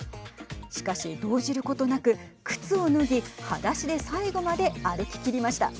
しかし、動じることなく靴を脱ぎ、はだしで最後まで歩き切りました。